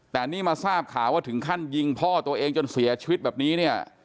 แต่นี่มาทราบข่าวว่าถึงขั้นยิงพ่อตัวเองจนเสียชีวิตแบบนี้เนี่ย